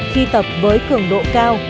khi tập với cường độ cao